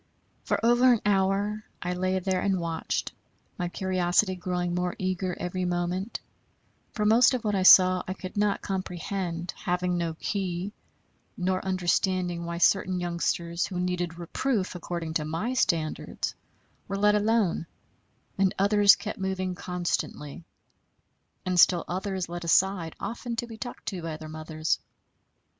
For over an hour I lay there and watched, my curiosity growing more eager every moment; for most of what I saw I could not comprehend, having no key, nor understanding why certain youngsters, who needed reproof according to my standards, were let alone, and others kept moving constantly, and still others led aside often to be talked to by their mothers.